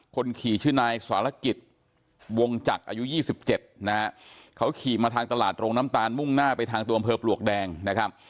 คนขี่ชื่อนายสารกิจวงจักรอายุ๒๗นะฮะเขาขี่มาทางตลาดโรงน้ำตาลมุ่งหน้าไปทางตัวอำเภอปลวกแดงนะครับ